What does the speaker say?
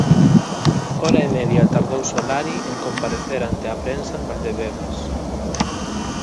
Hora e media tardou Solari en comparecer ante a prensa en Valdebebas.